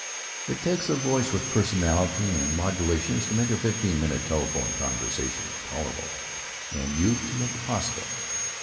It takes a voice with personality and modulations to make a fifteen minute telephone conversation tolerable, and youth to make it possible.